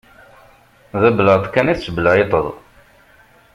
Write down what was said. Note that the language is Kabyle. D abelεeṭ kan i tettbelεiṭed.